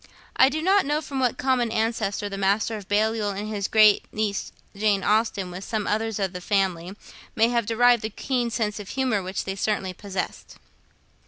I do not know from what common ancestor the Master of Balliol and his great niece Jane Austen, with some others of the family, may have derived the keen sense of humour which they certainly possessed.